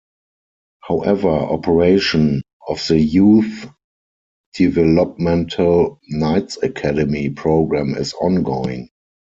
However, operation of the youth developmental "Knights Academy" program is ongoing.